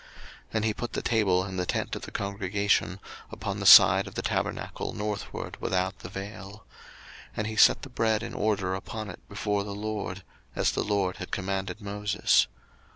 02:040:022 And he put the table in the tent of the congregation, upon the side of the tabernacle northward, without the vail. 02:040:023 And he set the bread in order upon it before the LORD; as the LORD had commanded Moses.